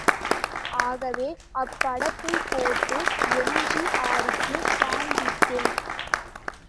ஆகவே அப்படத்தைப் போட்டு எம்.ஜி.ஆருக்குக் காண்பித்தேன்.